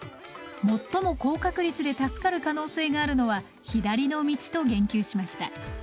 最も高確率で助かる可能性があるのは左の道と言及しました。